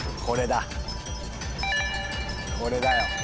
これだよ。